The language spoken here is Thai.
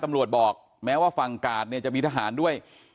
ตำรวจบอกแม้ว่าฝั่งกาดจะมีทหารด้วย